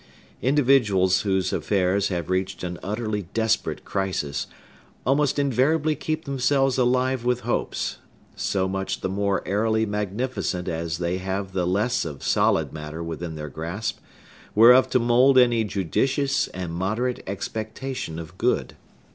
Individuals whose affairs have reached an utterly desperate crisis almost invariably keep themselves alive with hopes, so much the more airily magnificent as they have the less of solid matter within their grasp whereof to mould any judicious and moderate expectation of good.